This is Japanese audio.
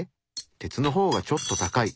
鉄の方がちょっと高い。